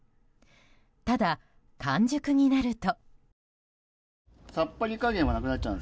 ただ、完熟になると。